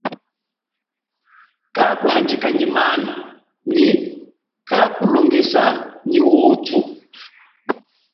Kakuhanjika nyi mana nyi kakulongesa nyi utu.